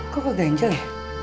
kok gue ganjel ya